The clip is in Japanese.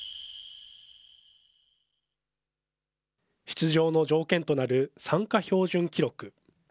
出場の条件となる参加標準記録。